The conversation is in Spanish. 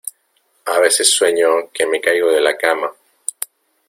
A veces sueño que me caigo de la cama.